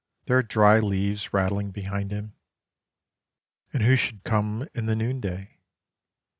There are dry leaves rattling behind him. And who should come in the noonday?